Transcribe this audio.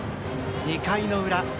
２回の裏。